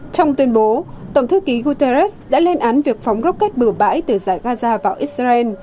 trong tuyên bố tổng thư ký guterres đã lên án việc phóng rocket bừa bãi từ giải gaza vào israel